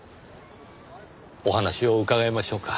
お話を伺いましょうか。